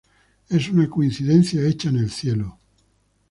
Es una coincidencia hecha en el cielo.